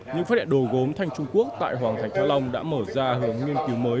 những phát hiện đồ gốm thanh trung quốc tại hoàng thành thăng long đã mở ra hướng nghiên cứu mới